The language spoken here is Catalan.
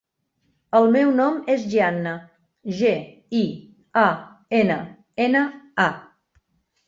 El meu nom és Gianna: ge, i, a, ena, ena, a.